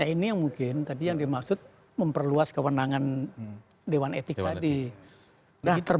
nah ini yang mungkin tadi yang dimaksud memperluas kewenangan dewan etik tadi